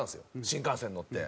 新幹線乗って。